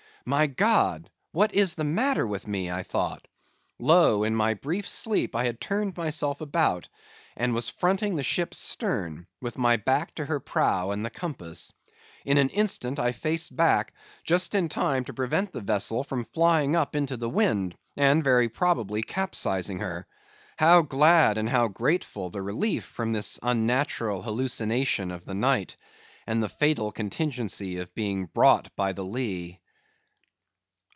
My God! what is the matter with me? thought I. Lo! in my brief sleep I had turned myself about, and was fronting the ship's stern, with my back to her prow and the compass. In an instant I faced back, just in time to prevent the vessel from flying up into the wind, and very probably capsizing her. How glad and how grateful the relief from this unnatural hallucination of the night, and the fatal contingency of being brought by the lee!